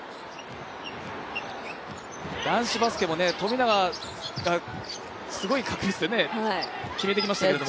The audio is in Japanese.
男子バスケも富永が、すごい確率で決めてきましたけど。